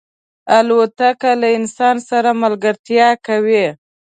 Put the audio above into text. الوتکه له انسان سره ملګرتیا کوي.